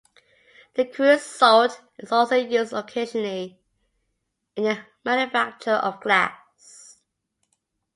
The crude salt is also used occasionally in the manufacture of glass.